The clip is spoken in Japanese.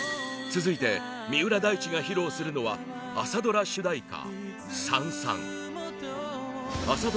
続いて三浦大知が披露するのは朝ドラ主題歌